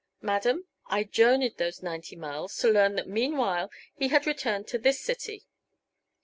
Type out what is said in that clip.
Madam, I journeyed those ninety miles to learn that meanwhile he had returned to this city.